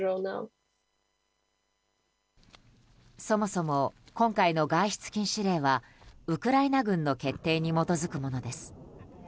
そもそも今回の外出禁止令はウクライナ軍の決定に基づくものです。